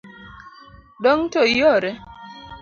Dong' to iore.